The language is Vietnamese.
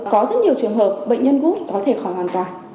có rất nhiều trường hợp bệnh nhân gút có thể khỏi hoàn toàn